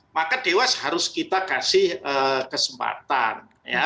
maka dewa seharusnya kita kasih kesempatan